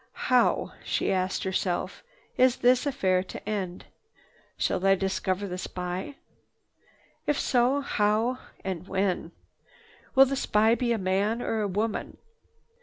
"How," she asked herself, "is this affair to end? Shall I discover the spy? If so, how and when? Will the spy be a man or a woman?